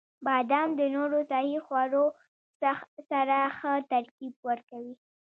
• بادام د نورو صحي خوړو سره ښه ترکیب ورکوي.